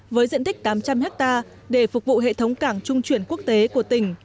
với diện tích tám trăm linh hectare để phục vụ hệ thống cảng trung chuyển quốc tế của tỉnh